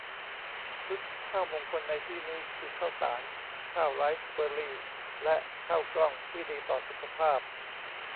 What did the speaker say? ชุดข้าวมงคลในที่นี้คือ ข้าวสาร ข้าวไรซ์เบอร์รี และข้าวกล้อง ที่ดีต่อสุขภาพ